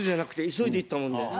急いで行ったもんで。